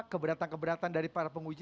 keberatan keberatan dari para penguji